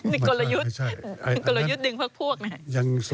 อีกฝ่ายนึงก็เคยทำแล้วเหมือนกันนะ